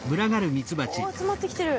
お集まってきてる。